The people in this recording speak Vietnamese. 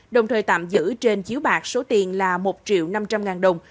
đồng thời tạm giữ trên chiếu bạc số tiền là một triệu năm trăm linh ngàn đồng